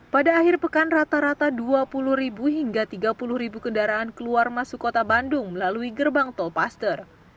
pada akhir pekan rata rata dua puluh hingga tiga puluh kendaraan keluar masuk kota bandung melalui gerbang tol paster